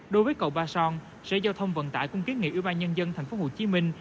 đối với cầu ba son sở giao thông vận tải cũng kiến nghị ủy ban nhân dân thành phố hồ chí minh